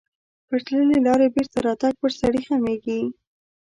پر تللې لارې بېرته راتګ پر سړي غمیږي.